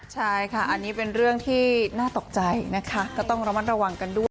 ใช่ค่ะอันนี้เป็นเรื่องที่น่าตกใจนะคะก็ต้องระมัดระวังกันด้วย